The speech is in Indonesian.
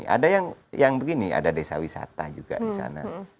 ada yang begini ada desa wisata juga di sana